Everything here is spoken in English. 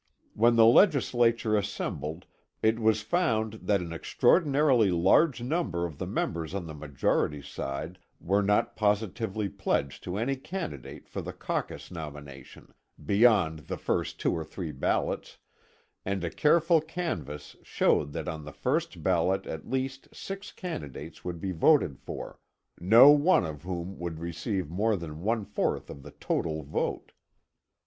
When the Legislature assembled it was found that an extraordinarily large number of the members on the majority side were not positively pledged to any candidate for the caucus nomination, beyond the first two or three ballots, and a careful canvass showed that on the first ballot at least six candidates would be voted for, no one of whom would receive more than one fourth of the total vote.